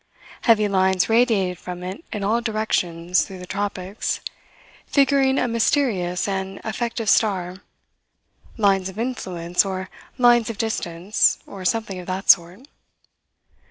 Heavy lines radiated from it in all directions through the tropics, figuring a mysterious and effective star lines of influence or lines of distance, or something of that sort.